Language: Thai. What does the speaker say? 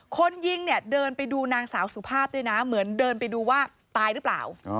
คนยิงเนี่ยเดินไปดูนางสาวสุภาพด้วยนะเหมือนเดินไปดูว่าตายหรือเปล่า